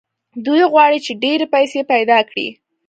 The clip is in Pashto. دوی غواړي چې ډېرې پيسې پيدا کړي.